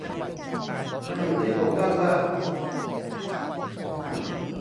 มันอยู่ที่โถงด้านล่าง